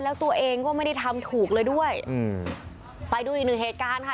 แล้วตัวเองก็ไม่ได้ทำถูกเลยด้วยอืมไปดูอีกหนึ่งเหตุการณ์ค่ะ